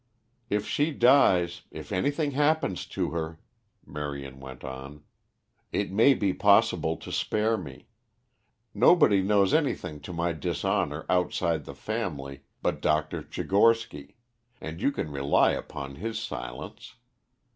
"If she dies, if anything happens to her," Marion went on, "it may be possible to spare me. Nobody knows anything to my dishonor outside the family but Dr. Tchigorsky, and you can rely upon his silence.